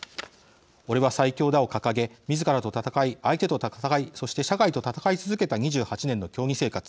「オレは最強だ」を掲げみずからと戦い、相手と戦いそして社会と戦い続けた２８年の競技生活。